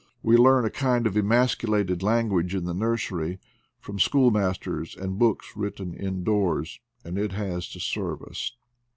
We learn a kind of emasculated language in the nursery, from school masters, and books written indoors, and it has to serve us.